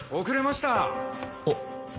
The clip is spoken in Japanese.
遅れました。